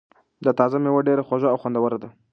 دا تازه مېوه ډېره خوږه او خوندوره ده.